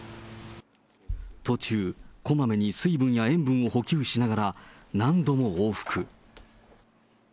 途中、こまめに水分や塩分を補給しながら、何度も往復。